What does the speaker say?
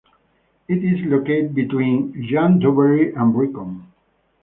It is located between Llandovery and Brecon.